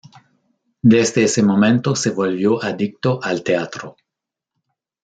Desde ese momento se volvió adicto al teatro.